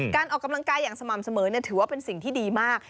การออกกำลังกายอย่างสม่ำเสมอถือว่าเป็นสิ่งที่ดีมาก